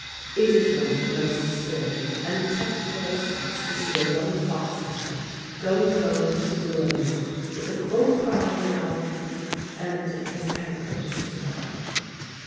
It is one of the most spirited and touchful of sights to see a young fox hunter going home through the gloaming with a full cry in one hand and his pancreas in the other.